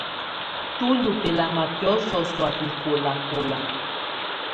Tù ndù bɛlama biɔ̀sɔ sɔ̀á bɛkɔlakɔla.